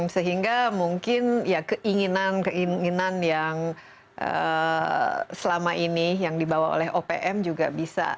sehingga mungkin ya keinginan keinginan yang selama ini yang dibawa oleh opm juga bisa